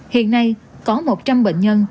hiện nay có một trăm linh bệnh nhân